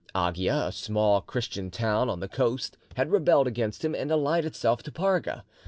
Agia, a small Christian town on the coast, had rebelled against him and allied itself to Parga.